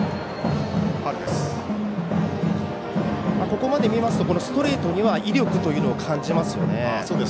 ここまで見ますとストレートには威力を感じますよね。